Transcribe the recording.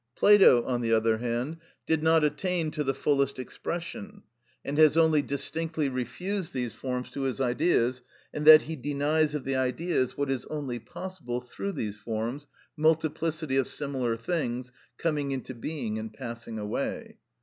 Plato, on the other hand, did not attain to the fullest expression, and has only distinctly refused these forms to his Ideas in that he denies of the Ideas what is only possible through these forms, multiplicity of similar things, coming into being and passing away.